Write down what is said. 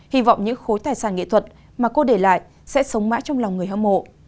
hy vọng những khối tài sản nghệ thuật mà cô để lại sẽ sống mãi trong lòng người hâm mộ